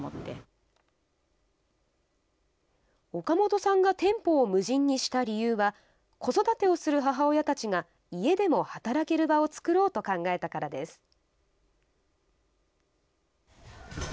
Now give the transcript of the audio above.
岡本さんが店舗を無人にした理由は、子育てをする母親たちが家でも働ける場を作ろうと考えたからです。